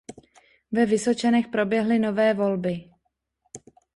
Ve Vysočanech proběhly nové volby.